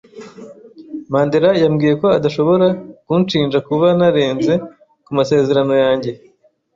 Mandera yambwiye ko adashobora kunshinja kuba narenze ku masezerano yanjye.